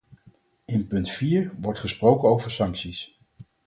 In punt vier wordt gesproken over sancties.